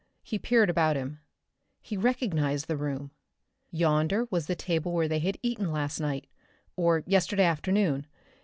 He peered about him. He recognized the room. Yonder was the table where they had eaten last night, or yesterday afternoon.